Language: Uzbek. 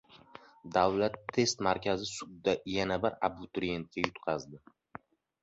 Davlat test markazi sudda yana bir abituriyentga yutqazdi